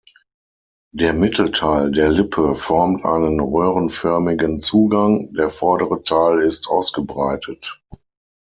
Der Mittelteil der Lippe formt einen röhrenförmigen Zugang, der vordere Teil ist ausgebreitet.